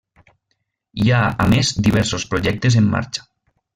Hi ha a més diversos projectes en marxa.